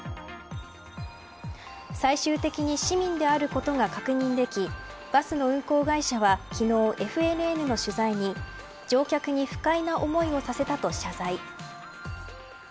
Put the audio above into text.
最終的に市民であることが確認できバスの運行会社は昨日、ＦＮＮの取材に乗客に不快な思いをさせたと謝罪。